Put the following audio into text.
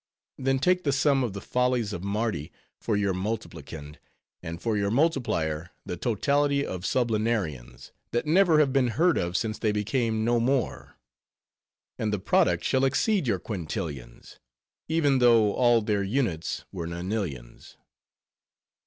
Then take the sum of the follies of Mardi for your multiplicand; and for your multiplier, the totality of sublunarians, that never have been heard of since they became no more; and the product shall exceed your quintillions, even though all their units were nonillions."